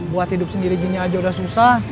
buat hidup sendiri gini aja udah susah